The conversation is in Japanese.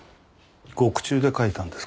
獄中で書いたんですか？